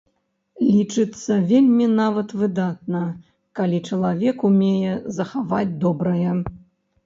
Лічыцца вельмі нават выдатна, калі чалавек умее захаваць добрае.